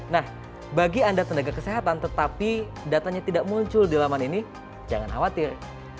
nah bagi anda tenaga kesehatan tetapi datanya tidak muncul di laman ini jangan khawatir